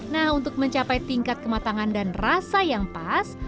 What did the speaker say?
nah untuk mencapai tingkat kematangan dan rasa yang pas